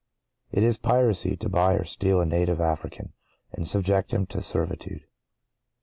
It is piracy to buy or steal a native African, and subject him to servitude.